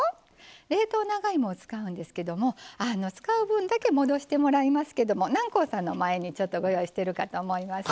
冷凍長芋を使うんですけども使う分だけ戻してもらいますけども南光さんの前にちょっとご用意してるかと思います。